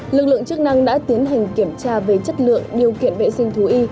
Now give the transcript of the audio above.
lực lượng chức năng đã tiến hành kiểm tra về chất lượng điều kiện vệ sinh thú y